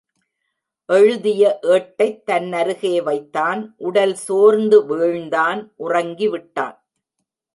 எழுதிய ஏட்டைத் தன்னருகே வைத்தான் உடல் சோர்ந்து வீழ்ந்தான் உறங்கி விட்டான்.